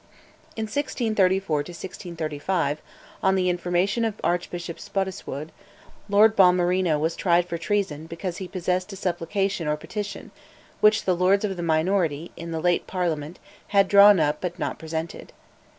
In 1634 35, on the information of Archbishop Spottiswoode, Lord Balmerino was tried for treason because he possessed a supplication or petition which the Lords of the minority, in the late Parliament, had drawn up but had not presented.